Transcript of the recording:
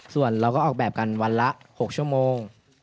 ส่วนเราก็ออกแบบกันวันละ๖ชั่วโมง